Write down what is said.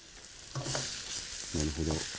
なるほど。